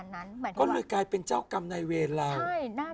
เขาพูดเขาบอกว่าเขาบอกว่าไง